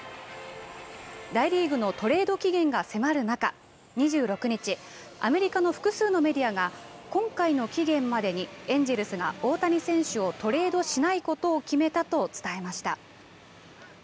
大リーグのトレード期限が迫る中２６日アメリカの複数のメディアが今回の期限までにエンジェルスが大谷選手をトレードしないことを決めたと伝えました。